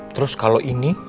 terus kalau ini